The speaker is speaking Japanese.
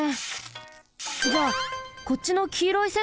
じゃあこっちのきいろい線はなに？